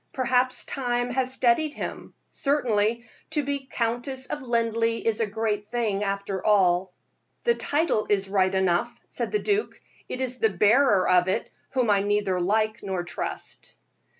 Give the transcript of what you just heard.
Perhaps time has steadied him. Certainly, to be Countess of Linleigh is a great thing, after all." "The title is right enough," said the duke; "it is the bearer of it whom I neither like nor trust."